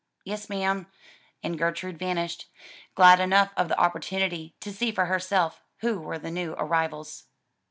"Yes ma'am," and Gertrude vanished; glad enough of the opportunity to see for herself who were the new arrivals.